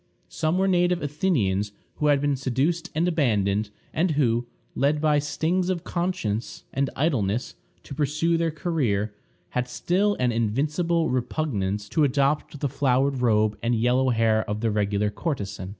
Some were native Athenians who had been seduced and abandoned, and who, led by stings of conscience and idleness to pursue their career, had still an invincible repugnance to adopt the flowered robe and yellow hair of the regular courtesan.